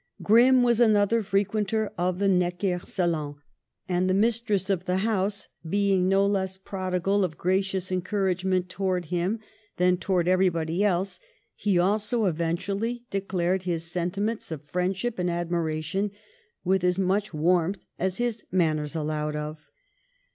Grimm was another frequenter of the Necker salons ; and the mistress of the house being no less prodigal of gracious encouragement towards him than towards everybody else, he also event ually declared his sentiments of friendship and admiration, with as much warmth as his manners allowed of.